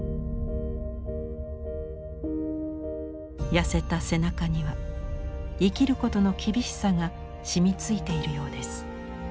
痩せた背中には生きることの厳しさが染みついているようです。